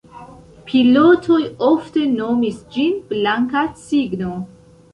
Pilotoj ofte nomis ĝin "Blanka Cigno".